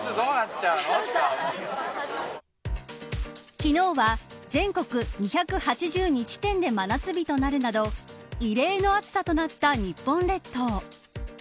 昨日は全国２８２地点で真夏日となるなど異例の暑さとなった日本列島。